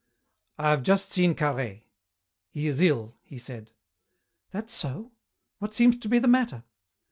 "I have just seen Carhaix. He is ill," he said. "That so? What seems to be the matter?"